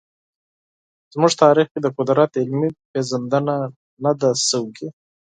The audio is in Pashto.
زموږ تاریخ کې د قدرت علمي پېژندنه نه ده شوې.